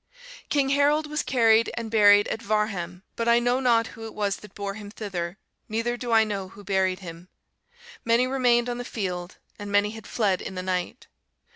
"King Harold was carried and buried at Varham; but I know not who it was that bore him thither, neither do I know who buried him. Many remained on the field, and many had fled in the night."